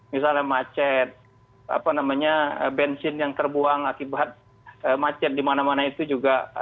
misalnya macet bensin yang terbuang akibat macet di mana mana itu juga